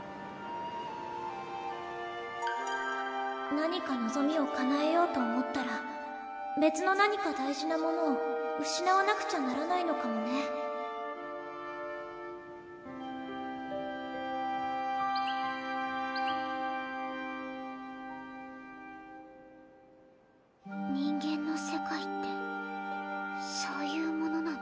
何かのぞみをかなえようと思ったら別の何か大事なものをうしなわなくちゃならないのかもね人間の世界ってそういうものなの？